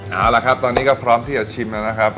เอาละครับตอนนี้ก็พร้อมที่จะชิมแล้วนะครับ